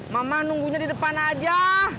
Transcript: mama nunggunya di depan aja